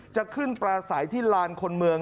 จะขึ้นปลาใสที่ลานคนเมือง